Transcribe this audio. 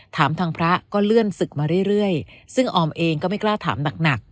ถามทางพระก็เลื่อนศึกมาเรื่อยซึ่งออมเองก็ไม่กล้าถามหนัก